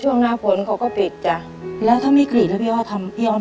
เช้ามาก็ต้องหุงหาทั้งหมดข้าวให้พ่อกับน้องกินกันก่อน